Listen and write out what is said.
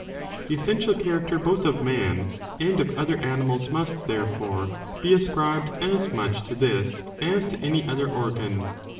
The essential character both of man and of other animals must, therefore, be ascribed as much to this as to any other organ.